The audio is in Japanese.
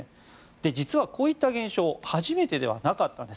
実はこういった現象初めてではなかったんです。